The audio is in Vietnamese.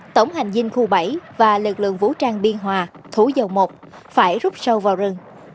tổng hành dinh khu bảy và lực lượng vũ trang biên hòa thủ dầu một phải rút sâu vào rừng